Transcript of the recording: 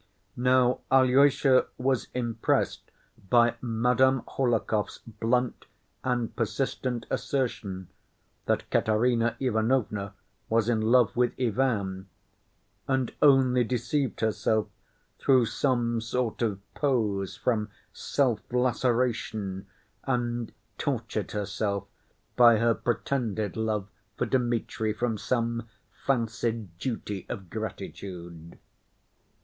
Now Alyosha was impressed by Madame Hohlakov's blunt and persistent assertion that Katerina Ivanovna was in love with Ivan, and only deceived herself through some sort of pose, from "self‐laceration," and tortured herself by her pretended love for Dmitri from some fancied duty of gratitude.